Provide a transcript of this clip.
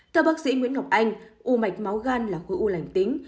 theo bác sĩ nguyễn ngọc anh u mạch máu gan là khối u lành tính